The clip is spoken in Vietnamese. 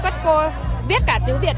cô biết cả chữ việt được ạ